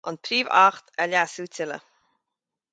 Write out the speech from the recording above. An Príomh-Acht a leasú tuilleadh.